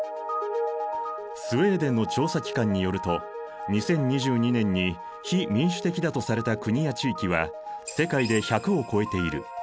スウェーデンの調査機関によると２０２２年に非民主的だとされた国や地域は世界で１００を超えている。